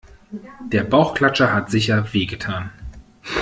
Der Bauchklatscher hat sicher wehgetan.